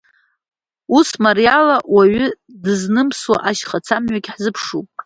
Ус мариала уаҩ дызнымсуа ашьхацамҩагьы ҳзыԥшуп.